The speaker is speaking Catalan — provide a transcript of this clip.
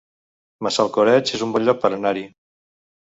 Massalcoreig es un bon lloc per anar-hi